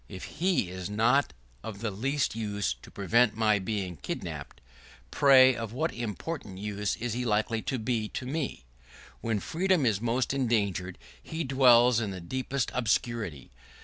If he is not of the least use to prevent my being kidnapped, pray of what important use is he likely to be to me? When freedom is most endangered, he dwells in the deepest obscurity.